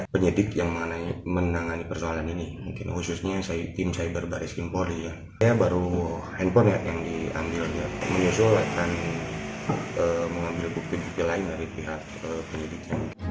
menyusul akan mengambil bukti bukti lain dari pihak penyidik